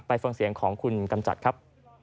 ฟังเสียงของคุณกำจัดครับ